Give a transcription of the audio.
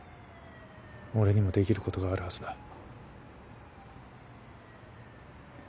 俺にもできることがあるはずだ。